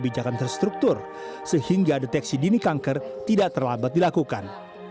dan kebijakan terstruktur sehingga deteksi dini kanker tidak terlambat dilakukan